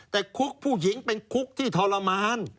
แต่คุกผู้หญิงเป็นคุกที่ทรมาน